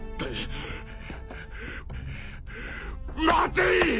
待て！！